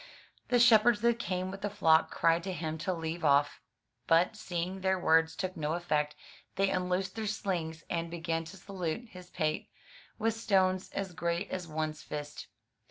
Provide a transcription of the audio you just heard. The shepherds that came with the flock cried to him to leave off; but, seeing their words took no effect, they unloosed their slings, and began to salute his pate with stones as great as one's fist.